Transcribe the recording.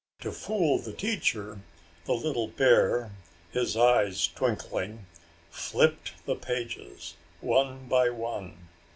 To fool the teacher, the little bear, his eyes twinkling, flipped the pages one by one.